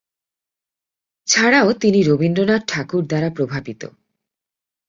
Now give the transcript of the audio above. ছাড়াও তিনি রবীন্দ্রনাথ ঠাকুর দ্বারা প্রভাবিত।